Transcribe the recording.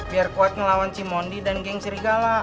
biar kuat ngelawan si mondi dan geng srigala